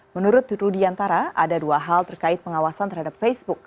menurut rudiantara ada dua hal terkait pengawasan terhadap facebook